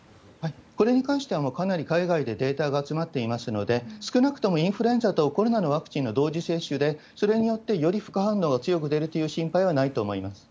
これに関しては、もうかなり海外でデータが集まっていますので、少なくともインフルエンザとコロナのワクチンの同時接種で、それによってより副反応が強く出るという心配はないと思います。